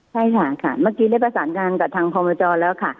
ใช่ค่ะค่ะเมื่อกี้ได้ประสานงานกับทางพมจแล้วค่ะ